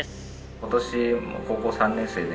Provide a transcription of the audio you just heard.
今年高校３年生で。